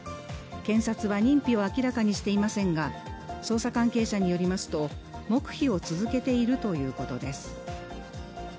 検察は認否を明らかにしていませんが、捜査関係者によりますと黙秘を続けているということです。